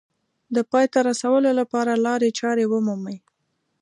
د پای ته رسولو لپاره لارې چارې ومومي